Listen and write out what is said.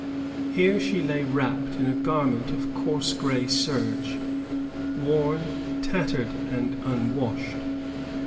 Here she lay wrapped in a garment of coarse gray serge, worn, tattered, and unwashed.